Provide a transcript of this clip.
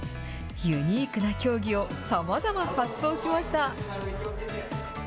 ユニークな競技をさまざま発想しました。